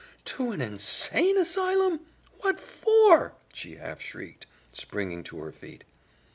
"To an insane asylum! What for?" she half shrieked, springing to her feet.